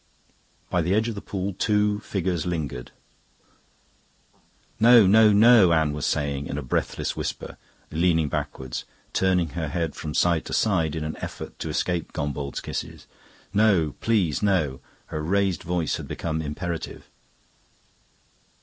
By the edge of the pool two figures lingered. "No, no, no," Anne was saying in a breathless whisper, leaning backwards, turning her head from side to side in an effort to escape Gombauld's kisses. "No, please. No." Her raised voice had become imperative.